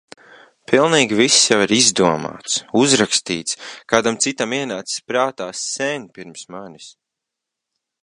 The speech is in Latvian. Pilnīgi viss jau ir izdomāts, uzrakstīts, kādam citam ienācis prātā sen pirms manis.